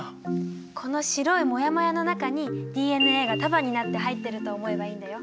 この白いモヤモヤの中にＤＮＡが束になって入ってると思えばいいんだよ。